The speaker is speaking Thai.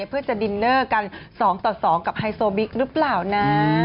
เพื่อจะดินเนอร์กัน๒ต่อ๒กับไฮโซบิ๊กหรือเปล่านะ